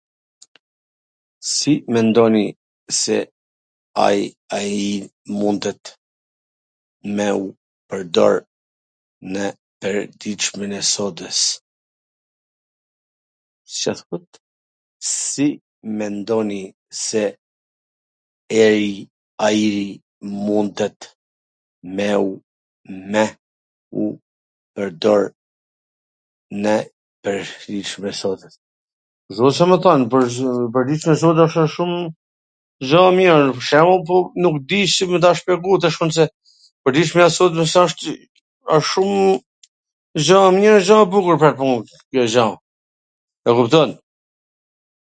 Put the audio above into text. Si mendoni se ai mundet me u pwrdor nw pwrditshmwrin e sodws - e sotme? Cdo me than, e pwrditshmja e sotme asht shum gja e mir pwr shembull, po nuk di si me ta shpjegu tash se e pwrditshmja e sotme s asht, asht shum gja e mir dhe gja e bukur pwr at pun, kjo gja, e kupton?